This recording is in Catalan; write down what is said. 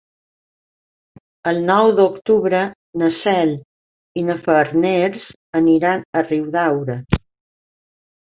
El nou d'octubre na Cel i na Farners aniran a Riudaura.